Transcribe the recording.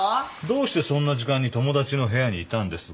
どうしてそんな時間に友達の部屋にいたんです？